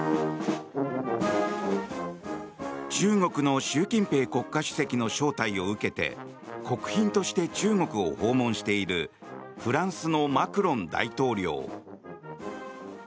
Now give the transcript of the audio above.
中国の習近平国家主席の招待を受けて国賓として中国を訪問しているフランスのマクロン大統領。